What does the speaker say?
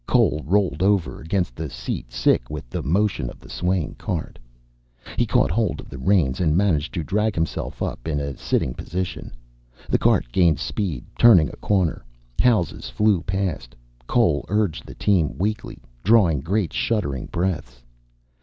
Cole rolled over against the seat, sick with the motion of the swaying cart. He caught hold of the reins and managed to drag himself up in a sitting position. The cart gained speed, turning a corner. Houses flew past. Cole urged the team weakly, drawing great shuddering breaths.